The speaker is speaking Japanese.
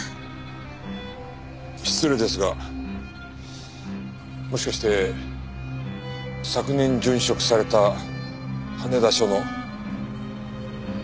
失礼ですがもしかして昨年殉職された羽田署の。